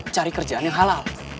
cari kerjaan yang halal